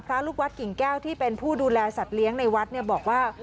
ลูกวัดกิ่งแก้วที่เป็นผู้ดูแลสัตว์เลี้ยงในวัดเนี่ยบอกว่า